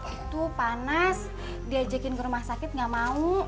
itu panas diajakin ke rumah sakit gak mau